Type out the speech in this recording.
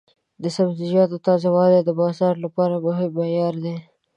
د سبزیجاتو تازه والی د بازار لپاره مهم معیار دی.